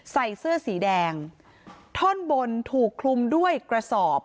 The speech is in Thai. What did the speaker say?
ใส่เสื้อสีแดงท่อนบนถูกคลุมด้วยกระสอบ